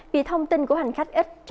vì thông tin của hành khách ít